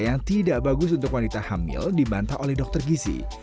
yang tidak bagus untuk wanita hamil dibantah oleh dokter gizi